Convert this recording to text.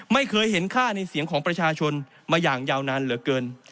ไม่เคยเห็นค่าในเสียงของประชาชนมาอย่างยาวนานเหลือเกิน